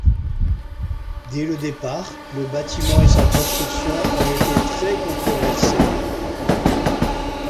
Dès le départ, le bâtiment et sa construction ont été très controversés.